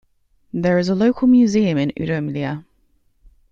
There is a local museum in Udomlya.